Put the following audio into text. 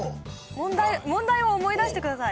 問題を思い出してください。